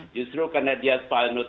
justru karena dia penyelamatan umat